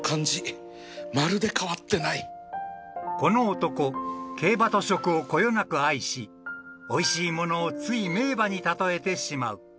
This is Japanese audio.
［この男競馬と食をこよなく愛しおいしいものをつい名馬に例えてしまう］